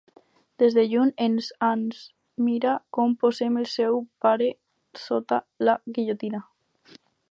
Des de lluny, en Hans mira com posen el seu pare sota la guillotina.